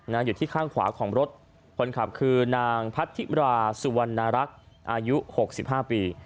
นะอยู่ที่ข้างขวาของรถนางผัดทิปราสุวรรณรักษ์อายุ๖๕ปี